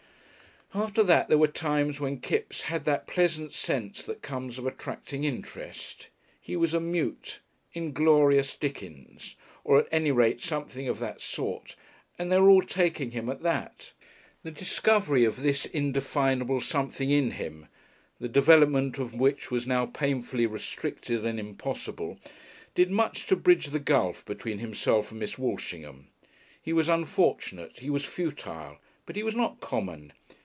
After that there were times when Kipps had that pleasant sense that comes of attracting interest. He was a mute, inglorious Dickens, or at any rate something of that sort, and they were all taking him at that. The discovery of this indefinable "something in" him, the development of which was now painfully restricted and impossible, did much to bridge the gulf between himself and Miss Walshingham. He was unfortunate, he was futile, but he was not "common."